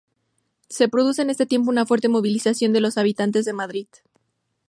Se produce en este tiempo una fuerte movilización de los habitantes de Madrid.